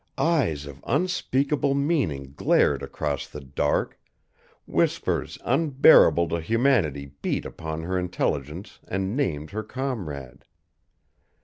Eyes of unspeakable meaning glared across the dark, whispers unbearable to humanity beat upon her intelligence and named her comrade.